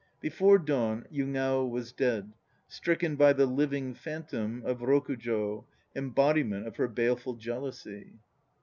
l Before dawn Yugao was dead, stricken by the "living phantom" of Rokujo, embodiment of her baleful jealousy.